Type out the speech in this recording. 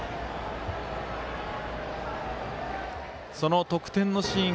その得点のシーン